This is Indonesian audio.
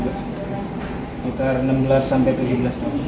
sekitar enam belas sampai tujuh belas tahun